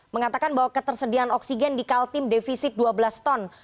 mengatakan bahwa ketersediaan oksigen di kaltim defisit dua belas ton